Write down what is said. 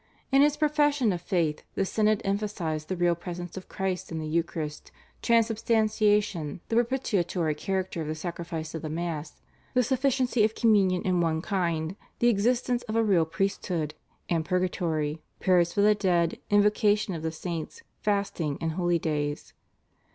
In its profession of faith the synod emphasised the Real Presence of Christ in the Eucharist, Transubstantiation, the propitiatory character of the sacrifice of the Mass, the sufficiency of Communion in one kind, the existence of a real priesthood, and purgatory, prayers for the dead, invocation of the saints, fasting, and holidays.